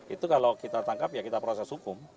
itu kalau kita tangkap ya kita proses hukum